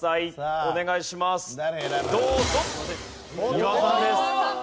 岩尾さんです。